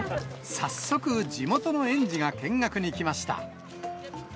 早速、地元の園児が見学に来ました。